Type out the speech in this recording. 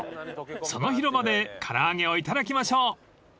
［その広場で唐揚げをいただきましょう！］